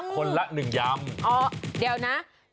คนละ๑ยำอ๋อเดี๋ยวนะ